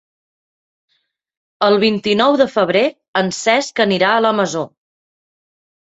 El vint-i-nou de febrer en Cesc anirà a la Masó.